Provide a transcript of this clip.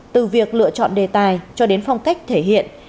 từ việc lựa chọn đề tài cho đến phong cách thể hiện